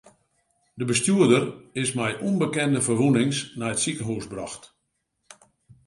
De bestjoerder is mei ûnbekende ferwûnings nei it sikehûs brocht.